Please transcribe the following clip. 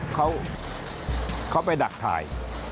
เขาไปดักถ่าย